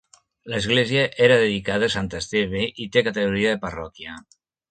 L'església era dedicada a Sant Esteve, i té categoria de parròquia.